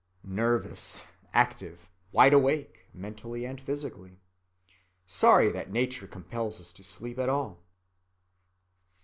Nervous, active, wide‐awake, mentally and physically. Sorry that Nature compels us to sleep at all.